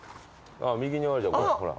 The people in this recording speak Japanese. あっ右にあるじゃんほら。